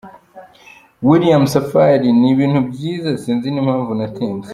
William Safari: Ni ibintu byiza sinzi n’impamvu natinze.